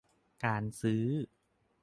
การซื้อ